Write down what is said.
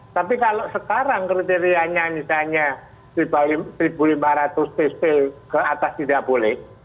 tapi kalau sekarang kriterianya misalnya rp satu lima ratus psp ke atas tidak boleh